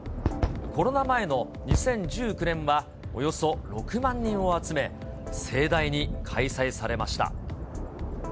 コロナ前の２０１９年は、およそ６万人を集め、盛大に開催されました。